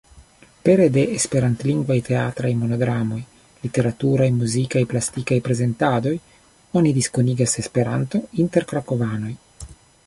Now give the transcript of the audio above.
Pere de esperantlingvaj teatraj monodramoj, literaturaj, muzikaj, plastikaj prezentadoj, oni diskonigas Esperanton inter krakovanoj.